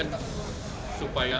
nanti akan dibahas